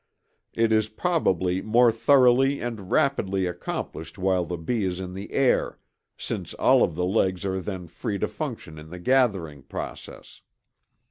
It is probably more thoroughly and rapidly accomplished while the bee is in the air, since all of the legs are then free to function in the gathering process.